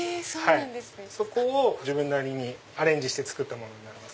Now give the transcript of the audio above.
そこを自分なりにアレンジして作ったものになります。